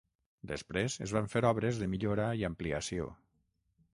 Després es van fer obres de millora i ampliació.